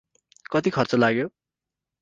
कति खर्च लाग्यो?